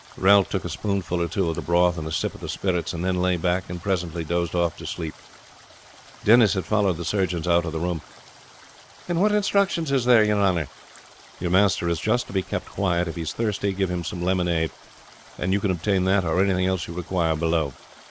Ralph took a spoonful or two of the broth, and a sip of the spirits, and then lay back and presently dozed off to sleep. Denis had followed the surgeons out of the room. "What instructions is there, your honor?" "Your master is just to be kept quiet. If he is thirsty give him some lemonade. You can obtain that or anything else you require below."